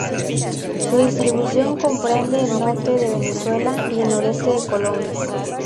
Su distribución comprende el norte de Venezuela, y el noreste de Colombia.